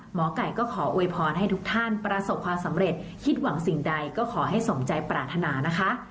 หมอไก่ก็ขออวยพรให้ทุกท่านประสบความสำเร็จคิดหวังสิ่งใดก็ขอให้สมใจปรารถนานะคะ